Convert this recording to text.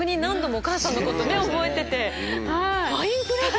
お母さんのこと覚えてて。